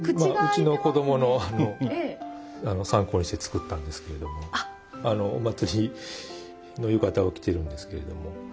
まあうちの子どもの参考にして作ったんですけれどもあの祭りの浴衣を着てるんですけれども。